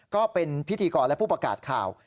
ก็เป็นพิธีกรและผู้ประกาศข่าว